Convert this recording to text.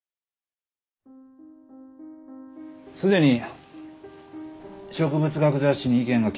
既に植物学雑誌に意見が来てるよ。